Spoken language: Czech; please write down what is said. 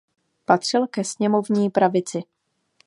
Patřil ke sněmovní pravici.